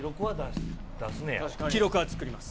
記録は作ります。